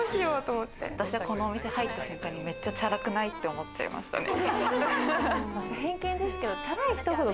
私はこのお店入った瞬間にめっちゃチャラくない？って思いましたね。